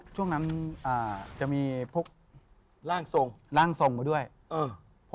ช่วงนั้นจะมีพวก